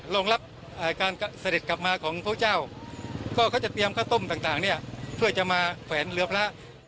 รองรับการเสด็จกลับมาของพระเจ้าก็เขาจะเตรียมข้าวต้มต่างเนี่ยเพื่อจะมาแขวนเรือพระ